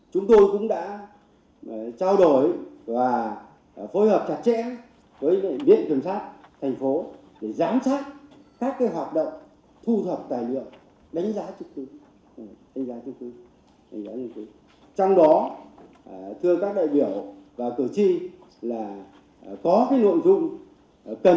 chúng tôi cũng đã trao đổi và phối hợp chặt chẽ với điện biên cảnh sát thành phố